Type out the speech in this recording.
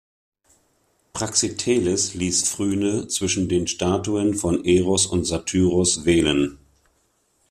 Praxiteles ließ Phryne zwischen den Statuen von Eros und Satyros wählen.